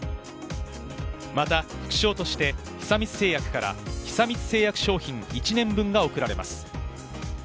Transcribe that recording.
また、副賞として久光製薬から久光製薬商品１年分が贈られます。